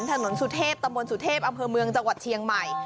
สุเทพตะมนต์สุเทพอำเภอเมืองจังหวัดเชียงใหม่